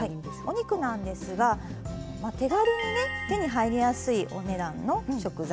お肉なんですが手軽にね手に入りやすいお値段の食材。